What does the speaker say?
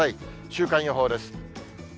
週間予報です。